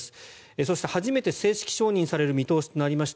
そして、初めて正式承認される見通しとなりました